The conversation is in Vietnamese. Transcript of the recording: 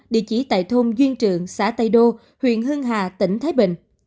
địa chỉ tại thôn duyên trưởng xã tây đô huyện hưng hà tỉnh thái bình